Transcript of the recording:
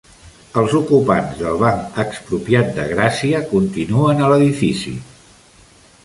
Els ocupants del Banc Expropiat de Gràcia continuen a l'edifici